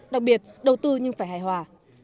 đặc biệt đầu tư nhưng phải hài hòa